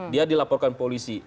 dia dilaporkan polisi